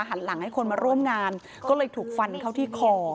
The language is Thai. หันหลังให้คนมาร่วมงานก็เลยถูกฟันเข้าที่คอ